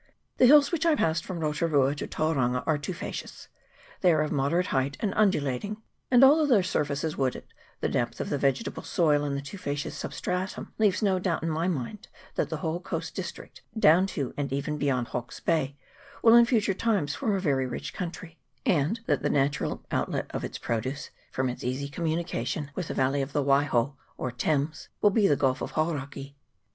The hills which I passed from Rotu rua to Tauranga are tufaceous ; they are of moderate height and undulating, and, although their surface is wooded, the depth of the vegetable soil and the tufaceous substratum leaves no doubt in my mind that the whole coast district, down to and even beyond Hawke's Bay, will in future times form a very rich country ; and that the natural outlet of its produce, from its easy communication with the valley of the Waiho, or Thames, will be the Gulf of Hauraki.